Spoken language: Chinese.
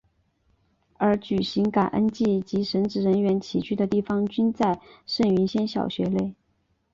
而举行感恩祭及神职人员起居的地方均在圣云仙小学内。